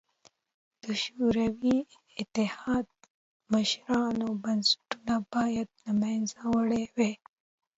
د شوروي اتحاد مشرانو بنسټونه باید له منځه وړي وای